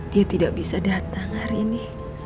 dia tidak bisa datang hari ini